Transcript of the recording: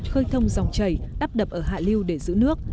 khơi thông dòng chảy đắp đập ở hạ liêu để giữ nước